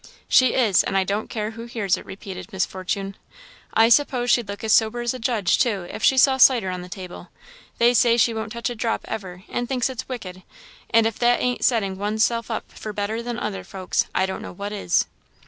"She is, and I don't care who hears it," repeated Miss Fortune. "I suppose she'd look as sober as a judge, too, if she saw cider on the table; they say she won't touch a drop ever, and thinks it's wicked; and if that ain't setting one's self up for better than other folks, I don't know what is."